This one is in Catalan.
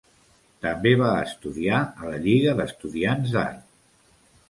També va estudiar a la Lliga d'estudiants d'art.